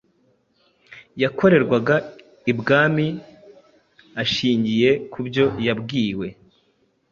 yakorerwaga ibwami. Ashingiye ku byo yabwiwe,